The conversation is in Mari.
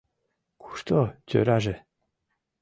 Кушто тӧраже?